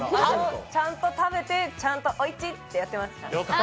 ちゃんと食べて、ちゃんとおいちいってやってました。